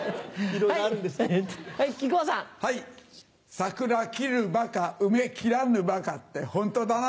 「桜切る馬鹿梅切らぬ馬鹿」ってホントだな。